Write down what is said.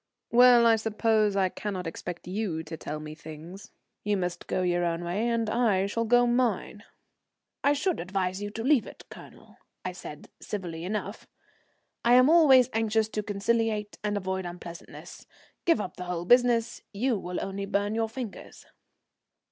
"Well, I suppose I cannot expect you to tell me things. You must go your own way and I shall go mine." "I should advise you to leave it, Colonel," I said, civilly enough. "I'm always anxious to conciliate and avoid unpleasantness. Give up the whole business; you will only burn your fingers."